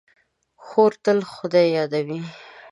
خور تل خدای یادوي.